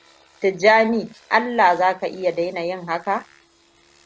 Tijjani Allah za ka iya daina yin haka?